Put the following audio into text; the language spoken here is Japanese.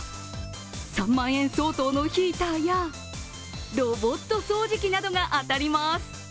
３万円相当のヒーターやロボット掃除機などが当たります。